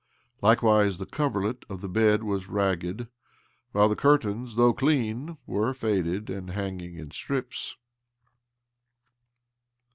Likewise the cover let of the bed was ragged, while the curtains, though clean, were faded and hanging in strips.